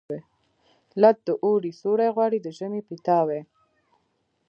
لټ د اوړي سیوري غواړي، د ژمي پیتاوي.